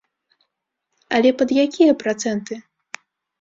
Але пад якія працэнты?